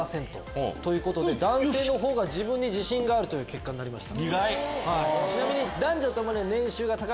男性のほうが自分に自信があるという結果になりました。